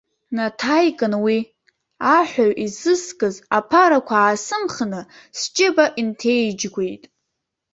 Наҭаикын уи, аҳәаҩ изыскыз аԥарақәа аасымхны, сџьыба инҭеиџьгәеит.